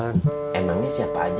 di mana sih ini